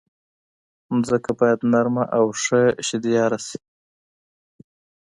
ځمکه باید نرمه او ښه شدیاره شي.